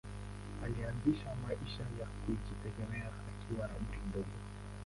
Alianza maisha ya kujitegemea akiwa na umri mdogo.